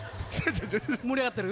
盛り上がってる？